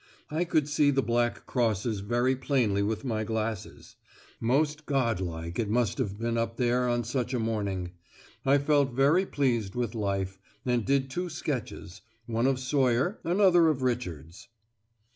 I could see the black crosses very plainly with my glasses. Most godlike it must have been up there on such a morning. I felt very pleased with life, and did two sketches, one of Sawyer, another of Richards....